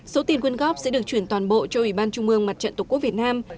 số tiền quyên góp sẽ được chuyển toàn bộ cho ủy ban trung mương mặt trận tổ quốc việt nam